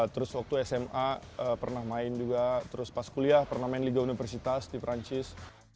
terus waktu sma pernah main juga terus pas kuliah pernah main liga universitas di perancis